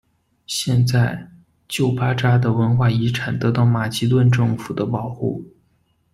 现在旧巴扎的文化遗产得到马其顿政府的保护。